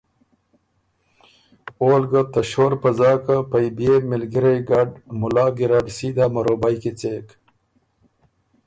اول ګۀ ته شور په ځاکه پئ بئے مِلګِرئ ګډ مُلا ګیرډ سیدها مروبئ کی څېک